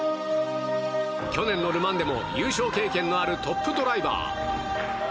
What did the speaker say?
去年のル・マンでも優勝経験のあるトップドライバー。